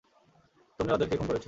তুমিই ওদেরকে খুন করেছ!